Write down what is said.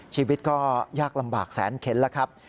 ชีวิตก็ยากลำบากแสนเข็นแล้วครับ